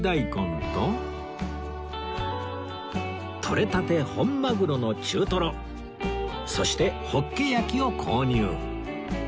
とれたて本まぐろの中とろそしてホッケ焼きを購入